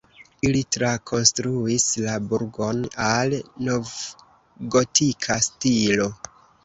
Ili trakonstruis la burgon al novgotika stilo.